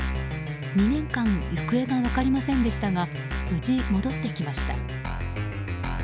２年間行方が分かりませんでしたが無事、戻ってきました。